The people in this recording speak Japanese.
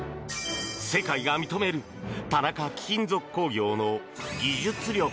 世界が認める田中貴金属工業の技術力。